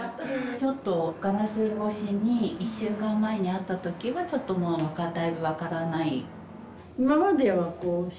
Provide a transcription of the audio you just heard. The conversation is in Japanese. ちょっとガラス越しに１週間前に会った時はちょっともうだいぶ分からない。